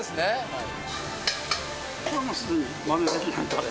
はい